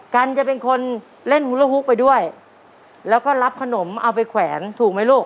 กันจะเป็นคนเล่นฮุระฮุกไปด้วยแล้วก็รับขนมเอาไปแขวนถูกไหมลูก